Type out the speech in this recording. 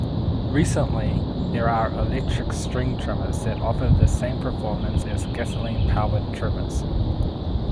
Recently there are electric string trimmers that offer the same performance as gasoline-powered trimmers.